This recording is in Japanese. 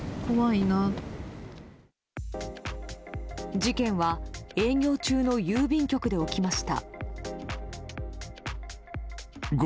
事件は営業中の郵便局で起きました。